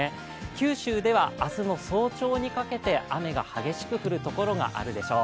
九州では明日の早朝にかけて雨が激しく降るところがあるでしょう。